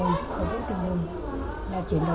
của bà thông hiền